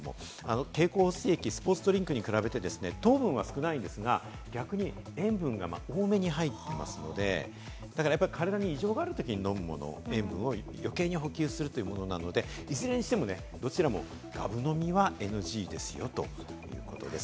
経口補水液、スポーツドリンクに比べて糖分は少ないんですが、逆に塩分が多めに入っていますので、体に異常があるときに飲むもの、塩分を余計に補給するというものなので、いずれにしてもがぶ飲みはＮＧですよということです。